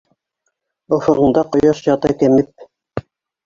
Офоғоңда Ҡояш ята кәмеп?..